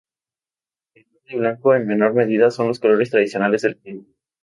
El verde y blanco, en menor medida, son los colores tradicionales del club.